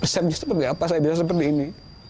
setnya seperti apa saya bisa seperti ini